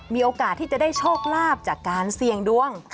มีโอกาสที่จะได้โชคลาภจากการเสี่ยงดวง